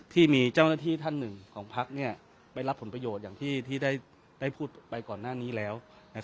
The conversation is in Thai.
ที่มีเจ้าหน้าที่ท่านหนึ่งของพักไปรับผลประโยชน์อย่างที่ได้พูดไปก่อนหน้านี้แล้ว